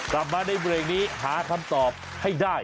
กลับมาในเบรกนี้หาคำตอบให้ได้